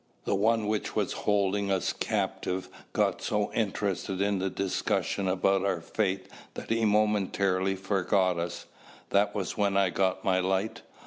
The one which was holding us captive got so interested in the discussion about our fate that he momentarily forgot us. That was when I got my light.